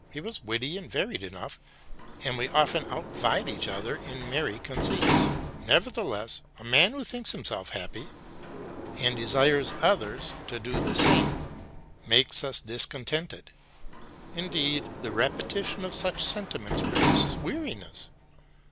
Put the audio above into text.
He was witty and varied enough, and we often outvied each other in merry conceits : nevertheless, a man who thinks himself happy, and desires others to do the same, makes us discontented ; indeed, the repetition of such sentiments produces weariness.